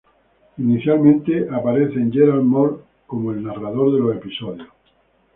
Inicialmente aparece Gerald Mohr como el narrador de los episodios.